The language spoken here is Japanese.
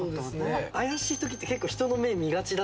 怪しいときって結構人の目見がちだと思うんです。